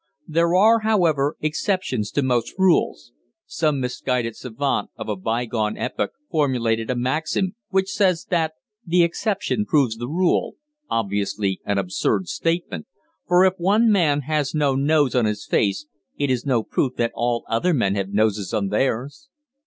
There are, however, exceptions to most rules some misguided savant of a bygone epoch formulated a maxim which says that "the exception proves the rule," obviously an absurd statement, for if one man has no nose on his face it is no proof that all other men have noses on theirs.